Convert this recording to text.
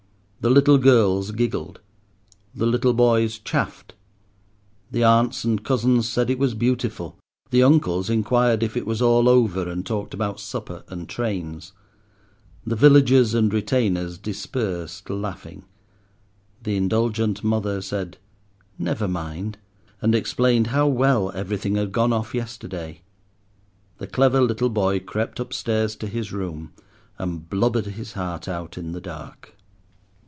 The little girls giggled, the little boys chaffed, the aunts and cousins said it was beautiful, the uncles inquired if it was all over, and talked about supper and trains, the "villagers and retainers" dispersed laughing, the indulgent mother said "never mind," and explained how well everything had gone off yesterday; the clever little boy crept upstairs to his room, and blubbered his heart out in the dark.